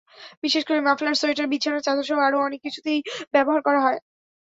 বিশেষ করে muffler, sweater, বিছানার চাদরসহ আরও অনেক কিছুতেই ব্যবহার করা হয়।